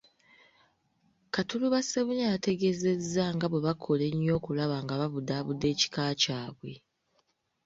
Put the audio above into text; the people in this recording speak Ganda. Katuluba Ssebunnya yategeezezza nga bwe bakola ennyo okulaba nga babudaabuda ekika kyabwe.